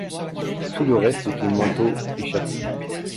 Tout le reste était manteau et chapeau.